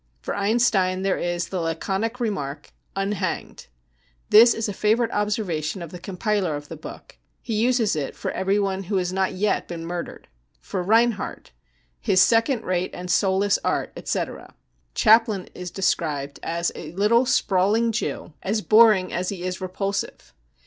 For Einstein there is the laconic remark ;" Unhanged," This is a favourite observation of the compiler of thp book ; he uses it for everyone who has not yet been murdered. For Reinhardt :" His second rate and soulless art, etc." Chaplin is described as " a little sprawling Jew, as boring # THE PERSECUTION OF JEWS 237 as he is repulsive.